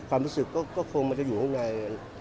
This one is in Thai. ความรู้สึกก็คงอยู่ข้างใน